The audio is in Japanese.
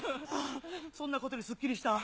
そんなことすっきりした。